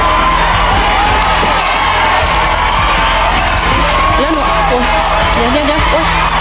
เดี๋ยวหนูโอ้ยเดี๋ยวเดี๋ยวเดี๋ยวโอ๊ย